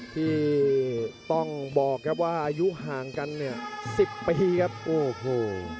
ที่ต้องบอกครับว่าอายุห่างกันเนี่ยสิบปีครับโอ้โห